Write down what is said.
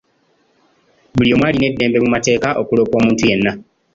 Buli omu alina eddembe mu mateeka okuloopa omuntu yenna.